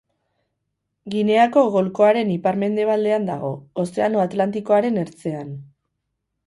Gineako golkoaren ipar-mendebalean dago, Ozeano Atlantikoaren ertzean.